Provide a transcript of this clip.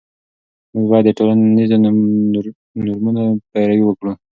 موږ باید د ټولنیزو نورمونو پیروي وکړو.